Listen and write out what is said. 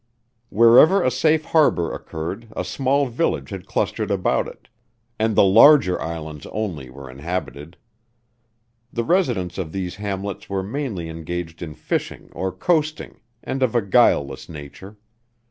Wherever a safe harbor occurred a small village had clustered about it and the larger islands only were inhabited. The residents of these hamlets were mainly engaged in fishing or coasting, and of a guileless nature.